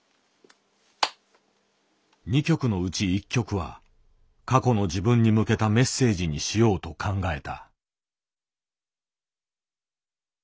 ２曲のうち１曲は過去の自分に向けたメッセージにしようと考えた。